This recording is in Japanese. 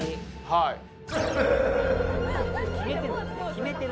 はい。